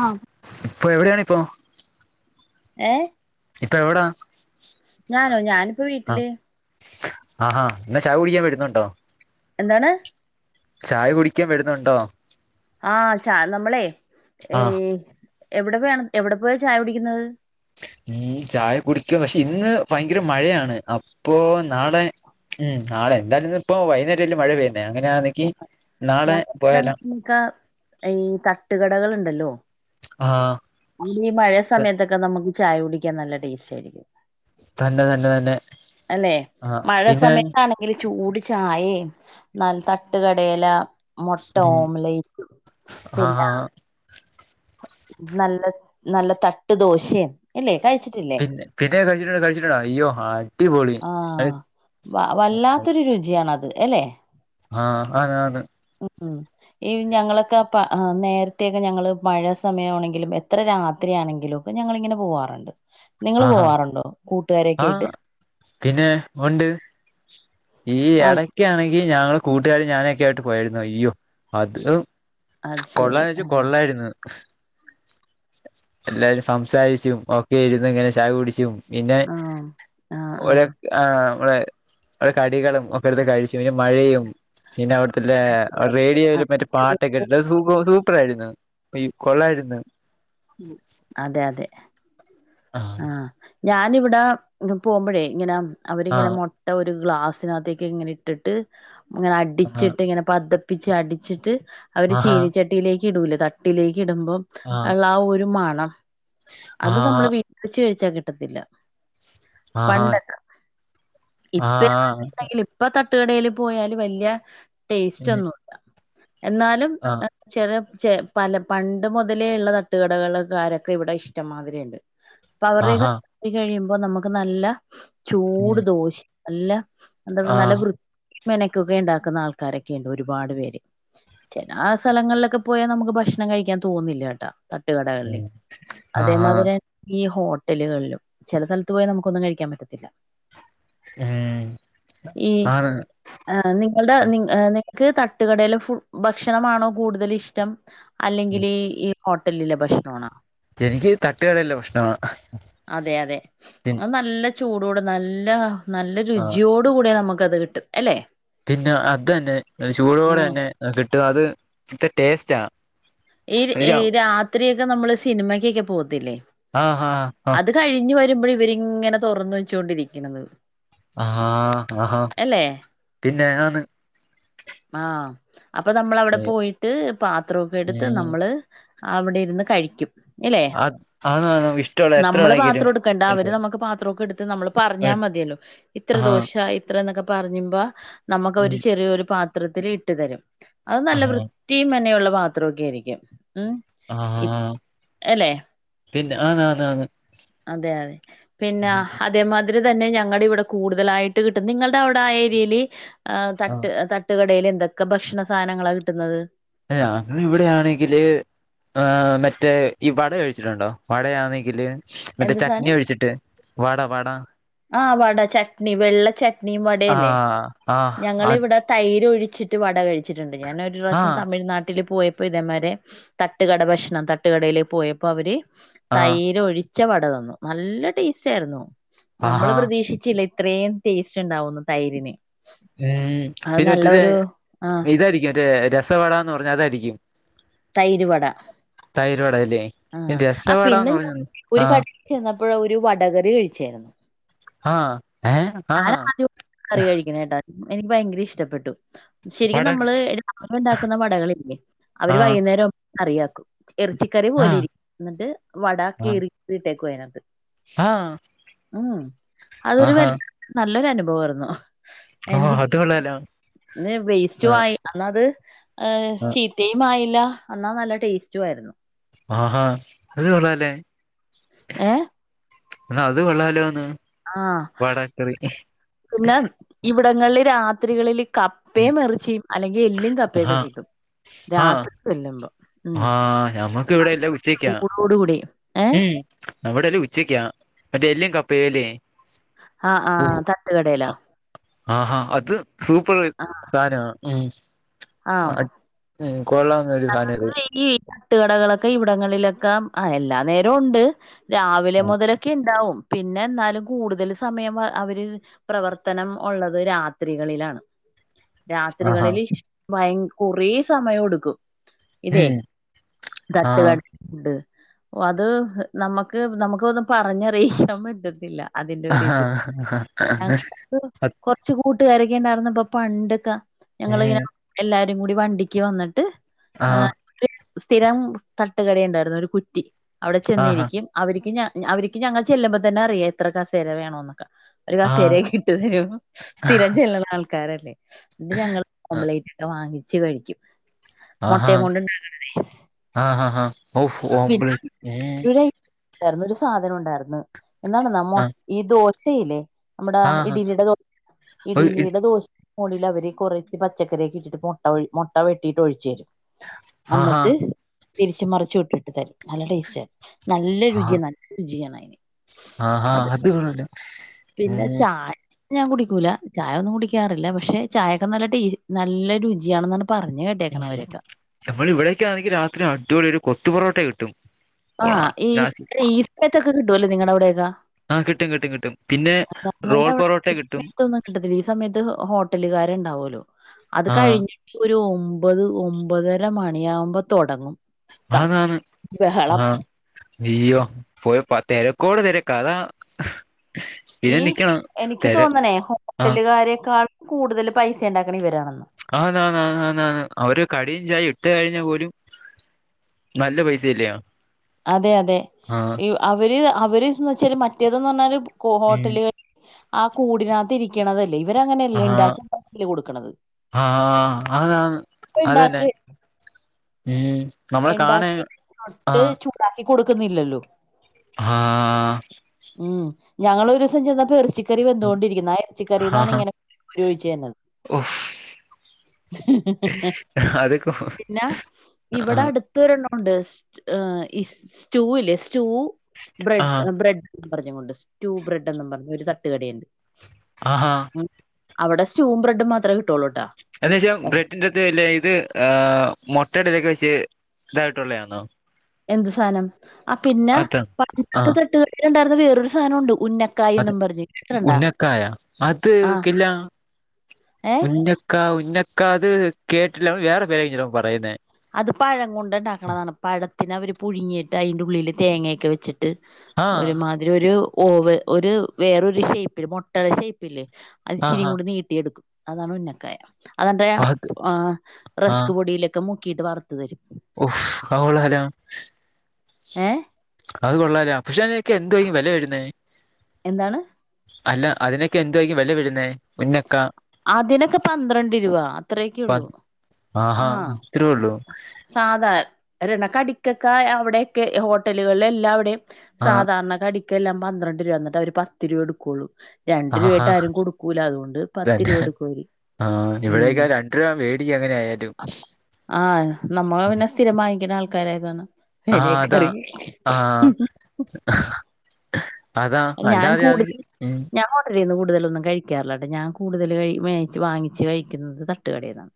ആഹ് പ്പൊ എവിടെ പ്പം ഏ ഇപ്പൊ എവടാ ഞാനോ ഞാനിപ്പ വീട്ടില് ആ ആ ന്ത ചായ കുടിക്ക്യാൻ വരുന്നുണ്ടോ എന്താണ് ചായ കുടിക്ക്യാൻ വരുന്നുണ്ടോ ആ ചാ നമ്മളെ ഈ ആഹ് എവിടെ പോയാണ് എവിടെ പോയ ചായ കുടിക്ക്ന്നത് ഫ ചായ കുടിക്ക്യാ പക്ഷെ ഇന്ന് ഭയങ്കര മഴയാണ് അപ്പോ നാളെ ഉം നാളെ എന്തായാലും ഇപ്പോ വൈകുന്നേരം ഒര് മഴ പെയ് പോയാലോ [unintelligible] ഈ തട്ടുകടകളുണ്ടല്ലോ ആ ഈ മഴ സമയത്തൊക്ക നമ്ക്ക് ചായ കുടിക്യാൻ നല്ല ടേസ്റ്റ് ആയിരിക്കും തന്നെ തന്നെ തന്നെ അല്ലെ ആഹ് മഴ പിന്നെ സമയത്താണെങ്കിൽ ചൂട് ചായേം നല്ല തട്ട്കടേലാ മൊട്ട ഉം ഓംലൈറ്റ് പിന്ന ആഹ് ആഹ് നല്ല നല്ല തട്ട് ദോശയും എല്ലേ പിന്നെ പിന്നെ കഴിച്ചിട്ടുണ്ട് കഴിച്ചിട്ടുണ്ട് അയ്യോ ഹ അടിപൊളി. ആഹ് എല്ലേ ആഹ് ആന്ന് ആന്ന് ഈ ഞങ്ങളൊക്കെ പ നേരത്തേക്ക ഞങ്ങള് മഴ സമയമാണെങ്കിലും എത്ര രാത്രിയാണെങ്കിലും ഒക്കെ ഞങ്ങളിങ്ങനെ പോവാറിണ്ട്. നിങ്ങള് ആഹാ പോവാറുണ്ടോ? കൂട്ടുകാരെ കെയിട്ട് ആഹ് പിന്നെ ഉണ്ട് ഈ ആണ് എടക്കാണെങ്കി ഞങ്ങൾ കൂട്ടുകാരും ഞാനൊക്കെ ആയിട്ട് പോയാരുന്ന് അയ്യോ അത് അത് ശരി കൊള്ളാന്ന് ചോയ്ച്ച ആഹ് കൊള്ളായിരുന്ന്. എല്ലാരും സംസാരിച്ചും ഒക്കെ ഇരിന്ന്ങ്ങനെ ചായ കുടിച്ചും പിന്നെ ഒ ആഹ് ആഹ് [unintelligible] ആഹ് ആഹ് [unintelligible] കടികളും ഒക്കെട്ത്ത് കഴിച്ചു പിന്നെ മഴയും പിന്നെ അവട്ത്തെ ലേ റേഡിയോയില് മറ്റേ പാട്ടൊക്കെ ഇട്ട്ട്ട് അഅ് സൂപ്പ സൂപ്പറായിരുന്നു. പി കൊള്ളായിര്ന്ന് അതെ അതെ ആ ആഹ് ഞാ നിവടെ പോകുമ്പഴേ ഇങ്ങനെ ആ അവരിങ്ങനെ മൊട്ട ഒര് ഗ്ളാസിനകത്തേക്കിങ്ങിനെ ഇട്ടിട്ട് അങ്ങനെ ആ അടിച്ച്ട്ട് ങ്ങനെ പത പ്പിച്ച് അടിച്ചിട്ട് അവര് ആഹാ ചീനിച്ചട്ടിയിലേ കിടൂലെ തട്ടിലേ കിടുമ്പം അള്ളാ ആ ഒരു മണം ആ അത് നമ്മള് വീട്ടിൽ ചെയ് ച്ച കിട്ടത്തില്ല. ആഹാ പണ്ടൊക്കെ. ആ ഇപ്പന്ന് വെച്ചിട്ടുണ്ടെങ്കിൽ ഇപ്പ ത തട്ടുകടയില് പോയാല് വല്ല്യ ടേസ്റ്റ് ഉം ഒന്നുമില്ല. എന്നാലും ആ എ ചെറിയ ചേ പല പണ്ട് മുതലേ ഉള്ള തട്ടുകടകൾക്കാരൊക്കെ ഇവിടെ ഇഷ് ട്ടം മാതിരി ഇണ്ട്. അപ്പൊ അവരുടെക്കെ ആഹാ [inaudible] കഴിയു അപ്പൊ നമുക്ക് നല്ല ചൂട് ഉം ദോശയും നല്ല എന്താ ആ നല്ല വൃ മെനക്കൊക്കെ ഇണ്ടാക്കുന്ന ആൾക്കാരൊക്കെയുണ്ട് ഒരുപാട് പേര് ചെല ആ സ്ഥലങ്ങളിലൊക്കെ പോയാൽ നമുക്ക് ഭക്ഷണം കഴിക്കാൻ തോന്നുന്നില്ലേട്ടാ തട്ടുകടകളില് ഉം ആഹാ അതേമാതിരി ഈ ഹോട്ടലുകളിലും ചില സ്ഥലത്ത് പോയാ നമുക്കൊന്നും കഴിക്കാൻ പറ്റത്തില്ല ഉം ഈ ആണ് ആ നിങ്ങളുടെ നിങ്ങ നി ക്ക് തട്ടുകടയിലെ ഫു ഭക്ഷണമാണോ കൂടുതല് ഇഷ്ടം ഉം അല്ലെങ്കില് ഈ ഹോട്ടലിലെ ഭക്ഷണമാണോ എനിക്ക് തട്ടുകടയിലെ ഭക്ഷണമാണ് അതെ അതെ പി അത് നല്ല ചൂടോടെ നല്ല നല്ല ആഹ് രുചിയോടു കൂടെ നമ ക്കത് കിട്ടും അലെ പിന്നെ അതന്നെ ഉം ചൂടോടെന്നെ കിട്ട്കാ അത് ഇത്ര ടേസ്റ്റാ ഈ ഈ എന്നുവെച്ചാ രാത്രിയൊക്കെ നമ്മള് സി സിനിമക്കോക്കെ പോന്ന് ലേ ആഹാ ആഹ് അത് കഴിഞ്ഞു രുമ്പഴേ ഇവരിങ്ങനെ തോറന്ന് വെച്ചൊണ്ടിരിക്ണത് അഹാ അഹാ പിന്നെ ആന്ന് അപ്പ നമ്മള് അവ്ടെ പോയിട്ട് പാത്രോക്കെ എട് ഉം നമ്മള് അവിടെ ര്ന്ന് കഴിക്കും. ഇലെ അത് അതാണ് ഇഷ്ടമുള്ള എത്ര നമ്മള് വേണെങ്കിലും പാത്രം ഇട്ക്കണ്ട എടുത്തോ അവര് നമക്ക് പാത്രക്കെ എടുത്ത് നമ്മള് പറഞ്ഞാ മതിയല്ലോ ഇത്ര ആഹ് ദോശ, ഇത്ര എന്നൊ പറഞ്ഞുമ്പ ഉം നമുക്കവര് ചെറിയൊരു പാത്ത് പത്രത്തില് ഇട്ടു തരും അത് നല്ല ആഹാ വൃത്തിയും മെനയുള്ള പാത്ത് ക്കിരിക്കും ഉം ഇ ആഹ് അല്ലെ പിന്നെ ആന്ന് ആന്ന് ആന്ന് അതെ അതെ പിന്നെ അതേമാതി അത് തന്നെ ഞങ്ങളുടെ ഇവിടെ കൂടുതലായിട്ട് കിട്ടും നിങ്ങളുടെ അവിടെ ആ ഏരിയയില് ആ തട്ട് ആഹ് തട്ടുകടയിൽ എന്തൊക്കെ ഭക്ഷണ സാധനങ്ങളാ കിട്ടുന്നത് അന്ന് ഇവിടെയാണെങ്കില് മറ്റേ ഈ വട കഴിച്ചിട്ടുണ്ടോ വടയാണെങ്കില് എന്ത് മറ്റേചട്ടിണി ഒഴിച്ചിട്ട് വട വട ആഹ് വട ചട്ട്നി വെള്ള ചട്ട്ണിയും വടയല്ലേ ആഹ് ആഹ് അത് ഞങ്ങളിവിടെ തയി തൈരും ഒഴിച്ചിട്ട് വട കഴിച്ചു കഴിച്ചിട്ടുണ്ട് ഞാൻ ഒരു പ്രാവശ്യം ആഹ് തമിഴ്നാട്ടില് പോയപ്പോ ഇതേമാതിരി തട്ടുകട ഭക്ഷണം തട്ടുകടയില് പോയപ്പോ അവര് ആഹ് തൈര് ഒഴിച്ച് ഒഴിച്ച വട തന്നു നല്ല ടേസ്റ്റ് ആയിരുന്നു നമ്മള് ആഹാ പ്രതീക്ഷിച്ചില്ല ഇത്രയും ടേസ്റ്റ് ഉണ്ടാവുന്നു തൈരിന് ഉം അത് പിന്നെ മറ്റെലെ നല്ലൊരു ആഹ് ഇതായിരിക്കും മറ്റേ റ്റ രസവടാന്ന് പറഞ്ഞാ അതായിരിക്കും തൈര് വട തൈര് വട അല്ലേ ആ ആ രസവടാന്ന് പിന്നെ പറഞ്ഞ [unintelligible] ഒരു ആഹ് കടയിൽ ചെന്നപ്പോ അപ്പോഴാ ഒരു വടകറി കഴിച്ചേ ആ ഹ ഏ ഹ ആദ്യമായിട്ടാ കറി കഴിക്കണ കേട്ടാ എനിക്ക് ഭയങ്കര ഇഷ്ടപ്പെട്ടു വട ശരിക്കും നമ്മള് [inaudible] ണ്ടാക്കുന്ന വടകളില്ലേ അവര് ആഹ് വൈകുന്നേരം കറിയാക്കും ഇറച്ചിക്കറി പോലെ ആഹ് ഇരിക്കും എന്നിട്ട് വട കിറിയി [unintelligible] [unintelligible] ആ ഉം അതൊരു വല്ലാ [inaudible] നല്ലൊരു അനുഭവം [unintelligible] ഓഹ് എനിക്ക് അത് കൊള്ളാലോ [unintelligible] വേസ്റ്റും ആഹ് ആയി അന്ന് അത് ആഹ് [unintelligible] ആയില്ല എന്നാ നല്ല ടേസ്റ്റും ആയിരുന്നു ആഹാ അത് കൊള്ളാല്ലെ ഏ എന്നാ അത് കൊള്ളാലോന്ന് ആഹ് വടക്കറി പിന്നെ ഇവിടങ്ങളിൽ രാ ത്രികളില് കപ്പേം എറച്ചിയും അല്ലെങ്കിൽ എല്ലും കപ്പയൊക്കെ ആഹ് കിട്ടും രാത്രി ചെല്ലുമ്പം ആഹാ ഞമ്മുക്ക് ഇവിടെ എല്ലാം ഉച്ചയ്ക്കാ ചൂടോട് കൂടി ഏ ഉം അവിടെല്ലാം ഉച്ചയ്ക്കാ മറ്റേ എല്ലും കപ്പേം ല്ലെ ആ ആ ഓഹ് തട്ടുകടയിലാ ആഹാ അത് സൂപ്പർ ആ സാനാ ഉം ആ [unintelligible] ഈ [unintelligible] തട്ടുകടകളൊക്കെ ഇവിടങ്ങളിലൊക്കെ ആ എല്ലാ നേരോം ഉണ്ട് രാവിലെ ആ മുതലൊക്കെ ഇണ്ടാവും പിന്നെ എന്നാലും കൂടുതൽ സമയം അവര് പ്രവർത്തനം ഉള്ളത് രാത്രികളിലാണ് ആഹാ രാത്രികളിൽ ഭയ കൊറേ സമയം എടുക്കും ഇതെ ഉം ആ തട്ട് കണ്ട് ഓ അത് നമുക്ക് നമുക്ക് ഒന്നും പറഞ്ഞറിയിക്കാൻ പറ്റത്തില്ല ആഹാ ഞങ്ങക ക്കു കുറച്ച കൂടി ഇട്ട് കരക്കേണ്ടായിന്നപ്പൊ പണ്ടൊക്കെ ഞങ്ങളിങ്ങനെ ഉം എല്ലരും കൂടി വണ്ടിക്ക് വന്നിട്ട് ആ ആഹ് സ്ഥിരം തട്ടുകട ഉണ്ടായിരുന്നു ഒരു കുറ്റി അവിടെ ആഹാ ചെന്നിരിക്കും അവര്ക്ക് ഞാൻ അവര്ക്ക് ഞങ്ങൾ ചെല്ലുമ്പോ തന്നെ അറിയാം എത്ര കസേര വേണോന്നൊക്കെ ഒരു ആ കസേരയെ കിട്ടു തരും സ്ഥിരം ചെല്ലനാ ആൾ കാരല്ലേ ഇന്ന് ഞങ്ങൾ ഒമ്ബ്ലറ്റ്ട്ടോ വാങ്ങിചെ ച്ച് കഴിക്കും. ആഹാ മുട്ടയും കൊണ്ടുണ്ടാക്കും ആഹ് ആഹ് ഓഹ് ഓംപ്ലേറ്റ് ഏ എർന്നൊരു സാധനം ഒണ്ടാർന്ന്. എന്താണ്ന്നോ മൊ ആ ഈ ദോ ചെയ്യില്ലേ നമ്മടെ ആഹാ ഇഡിലിയുടെ ദോ ഇഡിലിയുടെ ദോശ് മോളിലവര് കുറെ പച്ചക്കറിയൊക്കെ ഇട്ടിട്ട് മൊട്ട മൊട്ട വെട്ടിട്ട് ഒഴിച്ചുതരും. ആഹാ തിരിച്ചുംമറിച്ചുംഇട്ടിട്ട് തരും നല്ല ടേസ്റ്റാ. നല്ല ആ രുചിയ നല്ല രുചിയാണയിൻ. ആഹാ അത് കൊള്ളാല്ലോ? പിന്നെ ചായ ഞാൻ കുടിക്കൂല ചായയൊന്നും കുടിക്കാറില്ല പക്ഷെ ചായക്കെ നല്ല ടേ നല്ല രുചിയാണന്നാണ്. ഉം ഞമ്മൾ ഇവിടെയൊക്കാണെങ്കി രാത്രി അടിപൊളിയൊരു കൊ ത്തു പൊറോട്ട കിട്ടും. ആ ഈ സ്ക്റീസ്പെറ്റ് ഒക്കെ കിട്ടുവല്ലോ? നിങ്ങട അവിടെയൊക്ക ആ കിട്ടും, കിട്ടും, കിട്ടും, പിന്നെ റോൾ ഞങ്ങളുടെ അവിടെ പൊറോട്ട ഈ കിട്ടും. ണ്ടാവുല്ലോ? അത് ആ കഴിഞ്ഞിട്ട് ഒരു ഓം ഒമ്പത്, ഒമ്പതര മണിയാവുമ്പൊ തൊടങ്ങും. ആന്നാന്ന് ആ. യ്യോ പോയപ്പതിരക്കോട് തിരക്ക് അതാ. പിന്നെ ഈ നിക്കണം എനിക്ക് തിര തോന്നണേ, ആ ഹോട്ടലുകാരെക്കാൾ കൂടുതൽ പൈസ ണ്ടാ ആന്നാന്നാന്നാന്നാന്ന് അവര് കടിം, ചായയും. കഴിഞ്ഞാ പോലും നല്ല പൈസ ല്ലയോ? അതെ അതെ യു അവര് അ അവര് ന്ന് വച്ചല്, മറ്റേതന്ന് പറഞ്ഞാല് കോ ഉം ഹോട്ടലുകൾ [unintelligible] ആ കൂടിനകത്ത് ഇരിക്കണതല്ലേ ഇവരങ്ങനെയല്ലേ ആഹ് ഉണ്ടാക്കില്ലേ കൊടുക്കണത് ഇപ്പ ആഹ് ആഹ് അതന്നെ ഉണ്ടാക്കി ഏഹ് നമ്മളെ കാണേ ഉണ്ടാക്കി [unintelligible] കൊടുക്കുന്നില്ലല്ലോ ആഹ് ഉം ഞങ്ങൾ ഒരു സം ചെന്നപ്പൊ ർച്ചി റി വെന്തോണ്ടിരിക്ക്ന്ന് ആ ർച്ചി ആ ക്കറീന്നാണിങ്ങനെ റിയൊഴിച്ച് തന്നത് ഓ അതൊക്കെ പിന്നെ ആ ഇവടെ അടുത് ഒരണ്ണം ണ്ട് ഇ സ്റ്റൂ ല്ലെ ചൂ ആ ബ്രെഡ് ബ്രെഡ്‌ പറഞ്ഞ് കൊണ്ട് സ്റ്റൂ ബ്രെഡെന്നും പറഞ്ഞ് ഒരു തട്ടുകടയുണ്ട് ആഹാ ഉം അവിടെ സ്റ്റൂം ബ്രെഡും മാത്രേ കി എെന്നച്ച ബ്രട്ടിന്റെ തേയ്ലെ ഇത് ആ മൊ [unintelligible] വെച്ച് ഇതായിട്ടുള്ളയാന്നോ എന്ത് സാനം ആ പിന്നെ അത ആ പണ്ടത്തെ തട്ടുകടയിലുണ്ടായിരുന്ന വേറൊരു സാനം ഉണ്ട് അതെ ഉന്നക്കായ അത് ആഹ് കില്ല ഏഹ് ഉന്നക്ക പന്നക്ക അത് കേട്ട്ട്ടില്ല വേറെ പേരായിരിക്കും പറയുന്നേ അത് പഴം കൊണ്ട് ഉണ്ടാക്കണതാണ് പഴത്തിന അവര് പുഴുങ്ങിയിട്ട് അയിന്റ ഉള്ളില് തേങ്ങേക്ക വച്ചിട്ട് ആഹ് ഒരുമാതിരി ഒരു ഓവ് ഒരു വേറൊരു ഷേപ്പില് മൊട്ടേട ഷേപ്പില്ലേ അതിച്ചിരീം ആഹാ കൂട നീട്ടി എടുക്കും അതാണ് ഉന്നക്കായം അതെന്റെ അത് ആ റസ്ക് പൊടിയിലൊക്കെ മു ആക്കിട്ട് വറുത്ത് തരും ഓഫ് അവളാര ഏ അത് കൊള്ളാലാ പ്ഷാനക്ക് എന്തുവാരിക്കും വില വരുന്നേ എന്താണ് അല്ല അതിനക്കെ എന്തുവായിക്കും വില വിരുന്നേ അതിനൊക്കെ പന്ത്രണ്ട് രൂപ അത്രയക്കെ പ ഉള്ളൂ ആഹാ ആഹ ഇത്രേ ഉള്ളൂ സാധാ രണക്കടിക്കൊക്കെ അവിടെയൊക്കെ ഹോട്ടലുകൾല് എല്ലാവിടെയും ആഹ് സാധാരണ കടി ക്കെല്ലാം പന്ത്രണ്ട് രൂപ എന്നിട്ടവര് പത്ത് രൂപ എടുക്കുള്ളൂ രണ്ടു ആഹാ രൂപായിട്ട് ആരും കൊടുക്കൂല അതുകൊണ്ട് പത്ത് തന്നെ രൂപ എടുക്കും അവര് ആഹ ഉം ഇവിടേക്കാ രണ്ടു രൂപ വേടിക്കും അങ്ങനെ ആയാലും ഭയങ്കര ആൾക്കാരായതാണ് ആഹ് അതാ വെലയൊക്കറിയും ആഹ് ഹ് അതാ ഞാൻ കൂടുതൽ അല്ലാതെയാണെങ്ക് മ്മ് ഞാൻ ഹോട്ടലിന്ന് കൂടുതലൊന്നും കഴിക്കാറില്ലട്ട ഞാൻ കൂടുതല് കഴി വേച്ച് വാങ്ങിച്ച് കഴിക്കുന്നത് തട്ടുകടേന്നാണ്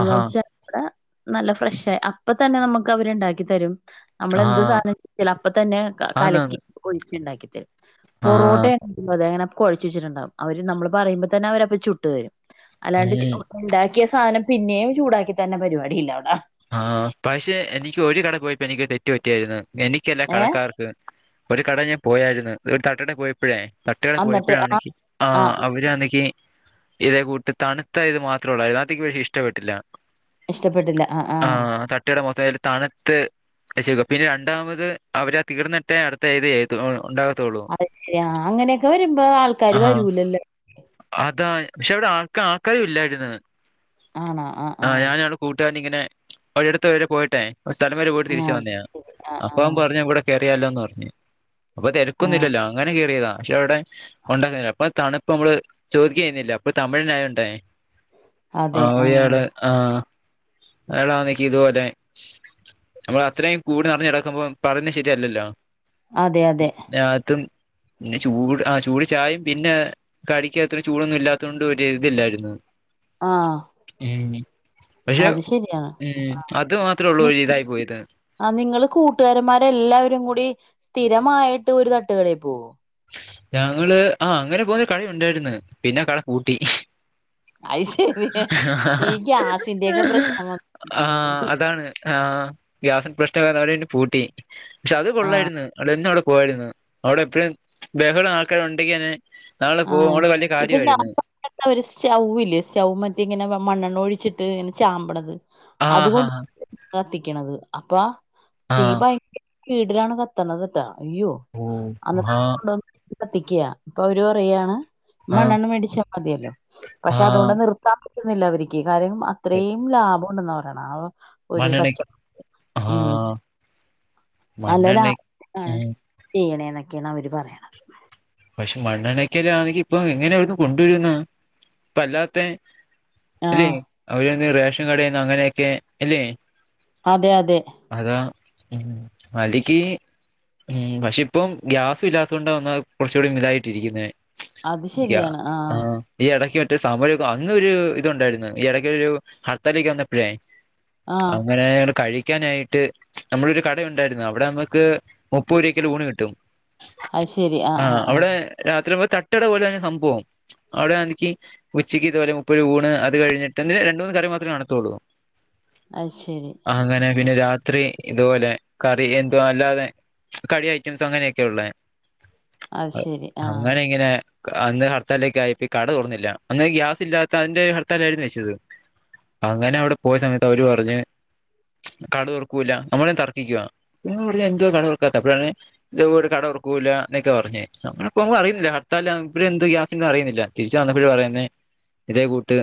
ആഹാ നല്ല ഫ്രശ്ശേ അപ്പ തന്നെ നമുക്ക് അവരുണ്ടാക്കി തരും നമ്മളെന്ത് ആഹ് സാധനം [unintelligible] അപ്പ തന്നെ ക കലക്കി ആന്നാന്ന് ഒഴി ണ്ടാക്കിത്തെ ആഹ് പൊറോട്ടെ [unintelligible] കുഴച്ച് വെച്ചിട്ടുണ്ടാവും അവര് നമ്മള് പറയുമ്പോ തന്നെ അവരപ്പ ചുട്ട് രും അല്ലാണ്ട് ഉം ഉണ്ടാക്കിയ സാനം പിന്നെയും ചൂടാക്കി തന്നെ പരിപാടിയില്ല അവുടാ ആഹ് പശേ എനിക്ക് ഒരു കട പോയപ്പോ എനിക്ക് തെറ്റ് പറ്റിയായിര്ന്നു എനിക്കല്ല ഏഹ് കടക്കാർക്ക് ഒരു കട ഞാൻ പോയായിരുന്നു ഒരു തട്ടട പോയപ്പോഴേ തട്ട് കാടെ അന്നിട്ട് പോയപ്പോഴാണെ ആഹ് ക്ക് ആ ആഹ് അവര്ണെക്ക് ഇതേ കൂട്ട് തണ്ത്ത ഇത് മാത്ര ഒള്ളു എല്ലാത്തിക്കും പക്ഷി ഇഷ്ട പ്പെട്ടില്ല ഇഷ്ടപ്പെട്ടില്ല ആഹ് തട്ട്കട മോസായാലും തണ്ത്ത് രച്ചക്കുക പിന്നെ രണ്ടാമത് അവരാ തീർന്നിട്ടേ അടുത്ത ഏത് ഏരിയ [unintelligible] ഉണ്ടാ അത [unintelligible] ശര്യ [unintelligible] അങ്ങനെയൊക്കെ വരുമ്പോ ആൾക്കാര് ആ വരൂലല്ലൊ കാക്കാര് ഇല്ലായിര്ന്നു ആണൊ ആഹ് ആഹ ലിങ്ങനെ ഒരു ഇടെത്ത [unintelligible] ടെ പോയിട്ടേ സ്ഥലം വരെ പോയിട്ട തിരിച്ചു ആഹ് വന്നേയ ശരി ആഹ് അപ്പം ആഹ് പറയഞ്ഞ കുടെക്ക റിയാലോന്ന് പറ്ഞ്ഞ് അപ്പ ആഹ് തിരക്കൊന്നില്ലല്ലോ അങ്ങനെ ക്കേറിയതാ പക്ഷെ അവിടെ ഉണ്ടാക്കു [unintelligible] അപ്പൊ തണുപ്പ് നമ്മള് ചോദിക്കെ ചെഴുന്നില്ല അപ്പൊ തമിഴിനായ ഉണ്ടായേ ആഹ് ഒയ് ആഹ് അളാ നിക്കി ഇതുപോലെ നമ്മൾ അത്രയും കൂടി നറഞ്ഞ് കെടക്കുമ്പോ പറഞ്ഞ ശെരിയല്ലല്ലോ അതെ അതെ രാത്തും പിന്നെ ചൂട് ആ ചൂട് ചായയും പിന്നെ കടിക്ക് അത്ര ചൂടൊന്നും ഇല്ലാത്തോണ്ട് ഒരു ഇതില്ലായിരുന്നു ആഹ് ഉം പക്ഷെ അത് ശരിയാ ഉം അത് മാത്രേ ഉള്ളൂ ഒരു ഇതായി പോയത് ആ നിങ്ങള് കൂട്ടുകാരമാരെല്ലാവരും കൂടി സ്ഥിരമായിട്ട് ഒരു തട്ടുകടയിൽ പോവോ ഞങ്ങള് ആ അങ്ങനെ പോന്ന കടയുണ്ടായിരുന്ന് പിന്നെ കട പൂട്ടി അത് ശരി ഈ ഗ്യാസിന്റെയൊക്കെ പ്രശനം ഉള്ളതുകൊണ്ട് ഗ്യാസിന്റെ പ്രശ്നം കാരണം അവര് പിന്നെ പൂട്ടി പക്ഷെ അത് ആഹ് കൊള്ളായിരുന്നു അത് എന്നും അവിടെ പോയിരുന്നു അവിടെ എപ്പഴും ബഹളം ആൾക്കാർ [unintelligible] ആഹ് ഇപ്പ ഞാൻ [unintelligible] സ്റ്റൗവില് സ്റ്റൗ മറ്റേ ഇങ്ങനെ മണ്ണെണ്ണ ഒഴിച്ചിട്ട് ഇങ്ങനെ ചാമ്പണത്. ആഹ് ഹാ അതുകൊണ്ട് ഹാ കത്തിക്കണത് അപ്പ തീ ഭയങ്കര വീടിലാണ് കത്തണത്ട്ടാ. അയ്യോ ഓ അന്നിട്ട് ആഹ് [unintelligible] കത്തിക്കാ അപ്പൊ അവര് രു പറയാണ് ആഹ് മണ്ണണ്ണ മേടിച്ചാ മതിയല്ലോ പക്ഷെ ആഹ് അതുകൊണ്ട് നിർത്താ കുന്നില്ല അവരിക്ക് കാര്യം അത്രയും ലാഭം കൊണ്ട്ന്നാ പറയണ അവ ഒരു മണ്ണെണ്ണക്ക് കച്ചം ഉം ആഹ് മണ്ണെണ്ണ നല്ലാലാഭാണ് ഉം ചെയ്യണേക്കെ ക്കാണ് അവര് പറയണ പക്ഷെ മണ്ണെണ്ണക്കല്ലാണെങ്കി ഇപ്പൊ എങ്ങനവര് കൊണ്ടുവരുന്നാ ഇപ്പ അല്ലാത്തെ അല്ലെ ആഹ് അവരന്നെ റേ ഷൻ കടേന്ന് അങ്ങനെയൊക്കെ എല്ലേ അതെ അതെ ഉ അരിക്ക് ഉം പക്ഷെ ഇപ്പം ഗ്യാസില്ലാത്തൊണ്ടാ വന്നാ കുറച്ചൂടി മിതായിട്ടിരിക്കുന്നെ അത് ശരിയാണ് ആ ആഹ് ഈ എടക് സമരം അന്നൊരു ഇതു ഉണ്ടായിരുന്നു ഈ എടയ്ക്കൊരു ഹർത്താലേക്ക് വന്നപ്പഴേ ആഹ് അങ്ങനെ കഴി ക്കാനായിട്ട് നമ്മടൊരു കട ഉണ്ടായിരുന്നു അവിടെ നമക്ക് മുപ്പരൂപക്ക് ലോണ് കിട്ടും അത്ശ ആ അവിടെ രാത്രി മൊ--. തട്ടുകട പോലെ തന്നെ സംഭവം അവിടെ എനിക്ക് ഉച്ചക്ക് ഇതുപോലെ മുപ്പരുപ ഊണ് അത് കഴിഞ്ഞിട്ട് രണ്ട് മൂന്ന് കറി മാത്രമേ കാണാത്തൊള്ളൂ. അ ശരി. ത്രി ഇതുപോലെ കറി എന്തുവ അല്ലാതെ കടി ഐറ്റംസ് അങ്ങനെയൊക്കെ ഒള്ള. അത് ശരി ആഹ് അങ്ങനെങ്ങനെ. അന്ന് ഹർത്താലേക്കയിപ്പോഈ കട തുറന്നില്ല അന്ന് ഗ്യാസ് ഇല്ലാത്ത അതിന്റെറെ ഹർത്താലായിരുന്നു ഷേത് അങ്ങനെ അവിടെ പോയ സമയത്ത് അവര് പറഞ്ഞ് കട തുറക്കൂല്ല നമ്മളന്ന് തർക്കിക്കുവാ പിന്നെ എന്തുവകട തുറക്കാത്ത അപ്പഴാണ് ഇതെ പോലെകട തുറകൂല്ല. എന്നൊക്കെ പറഞ്ഞേ നമ്മളപോമ്പ അറിയുന്നില്ല ഹർത്താല ഇവഎന്ത് ഗ്യാസിും അറിയുന്നില്ല തിരിച്ച വന്നപ്പോഴ പറയുന്ന ഇതേ കൂട്ട്.